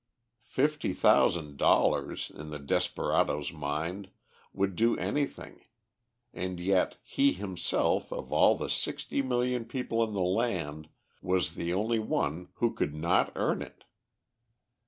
Fifty thousand dollars, in the desperado's mind, would do anything, and yet he himself, of all the sixty million people in the land, was the only one who could not earn it!